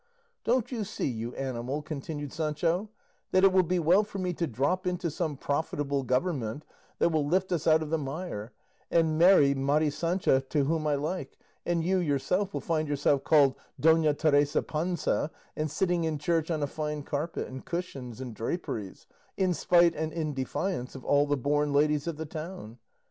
"Don't you see, you animal," continued Sancho, "that it will be well for me to drop into some profitable government that will lift us out of the mire, and marry Mari Sancha to whom I like; and you yourself will find yourself called 'Dona Teresa Panza,' and sitting in church on a fine carpet and cushions and draperies, in spite and in defiance of all the born ladies of the town?